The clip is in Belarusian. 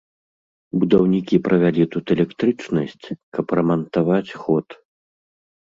Будаўнікі правялі тут электрычнасць, каб рамантаваць ход.